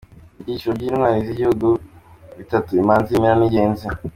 Ibyiciro by’intwari z’igihugu ni bitatu: Imanzi, Imena n’Ingenzi.